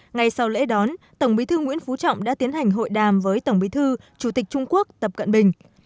ngay sau lễ đón tổng bí thư nguyễn phú trọng đã tiến hành hội đàm với tổng bí thư chủ tịch trung quốc tập cận bình